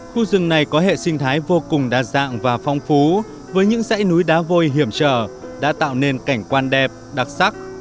khu rừng này có hệ sinh thái vô cùng đa dạng và phong phú với những dãy núi đá vôi hiểm trở đã tạo nên cảnh quan đẹp đặc sắc